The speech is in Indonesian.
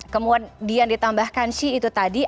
kemudian ditambahkan shi itu tadi